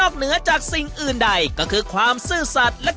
การที่บูชาเทพสามองค์มันทำให้ร้านประสบความสำเร็จ